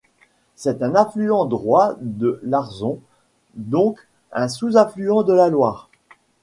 C'est un affluent droit de l'Arzon, donc un sous-affluent de la Loire.